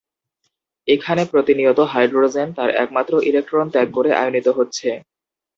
এখানে প্রতিনিয়ত হাইড্রোজেন তার একমাত্র ইলেকট্রন ত্যাগ করে আয়নিত হচ্ছে।